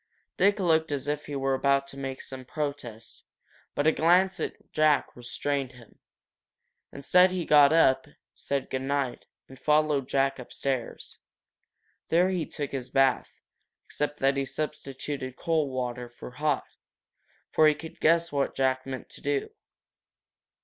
Dick looked as if he were about to make some protest, but a glance at Jack restrained him. Instead he got up, said good night and followed Jack upstairs. There he took his bath, except that he substituted cold water for the hot, for he could guess what Jack meant to do.